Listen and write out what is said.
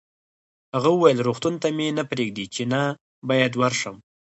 هغه وویل: روغتون ته مې نه پرېږدي، چې نه باید ورشم.